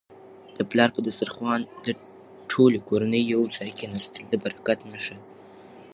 د پلار په دسترخوان د ټولې کورنی یو ځای کيناستل د برکت نښه ده.